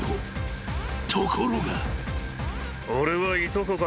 ［ところが］